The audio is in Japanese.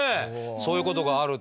そういうことがあるという。